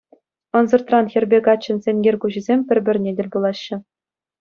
Ӑнсӑртран хӗрпе каччӑн сенкер куҫӗсем пӗр-пӗрне тӗл пулаҫҫӗ.